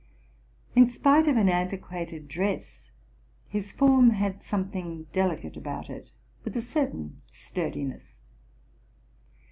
In spite of an antiquated dress, his form had something delicate about it, with a certain sturdiness.